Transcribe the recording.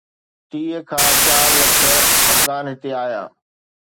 ٽيهه کان چار لک افغان هتي آيا.